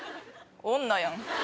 女やん。